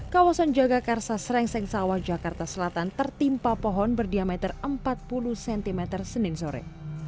kawasan jagakarsa serengseng sawah jakarta selatan tertimpa pohon berdiameter empat puluh cm senin sore